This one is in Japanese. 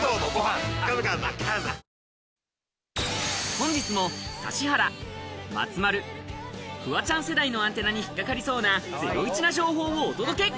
本日も指原、松丸、フワちゃん世代のアンテナに引っ掛かりそうなゼロイチな情報をお届け！